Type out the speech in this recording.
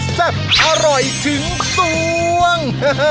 แซ่บอร่อยถึงสวง